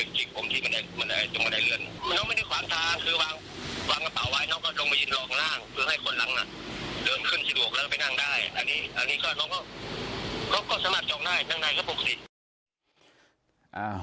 อันนี้ก็เราก็สมัครเจ้าหน้ายนั่งในก็ปลูกศิษย์